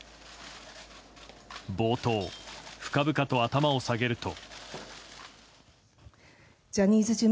冒頭、深々と頭を下げると。